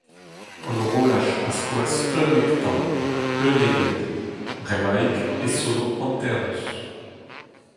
An horolaj a skoas unnek taol. Unnek eur ! Bremaik e sono hanternoz !